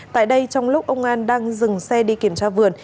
tại đây trong lúc ông an đang dừng xe đi kiểm tra vườn